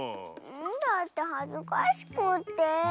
だってはずかしくって。